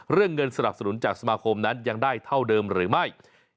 เงินสนับสนุนจากสมาคมนั้นยังได้เท่าเดิมหรือไม่